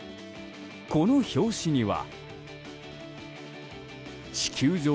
この表紙には。